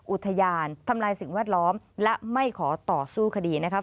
อุทยานทำลายสิ่งแวดล้อมและไม่ขอต่อสู้คดีนะครับ